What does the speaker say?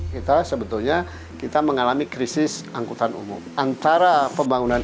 kita sebetulnya kita mengalami krisis angkutan umum antara pembangunan